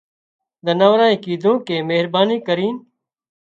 زناوڙانئي ڪيڌون ڪي مهرباني ڪرينَ